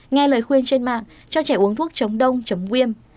nghe lời khuyên trên mạng cho trẻ uống thuốc chống đông viêm